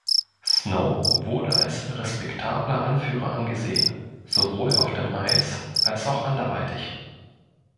Snow wurde als respektabler Anführer angesehen, sowohl auf dem Eis als auch anderweitig.